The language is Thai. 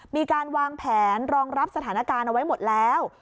มีการวางแผนรองรับสถานการณ์เอาไว้หมดแล้ว